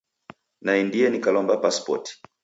Naendie nikalomba pasipoti.